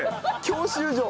教習所。